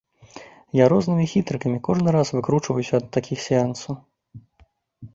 Я рознымі хітрыкамі кожны раз выкручваюся ад такіх сеансаў.